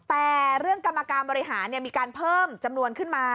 แต่เรื่องกรรมการบริหารมีการเพิ่มจำนวนขึ้นมา